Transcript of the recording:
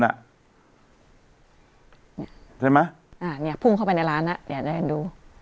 ใช่ไหมอ่านี่พุ่งเข้าไปในร้านอ่ะนี่เดินดู